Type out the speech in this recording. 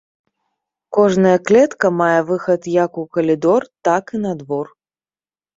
Кожная клетка мае выхад як у калідор, так і на двор.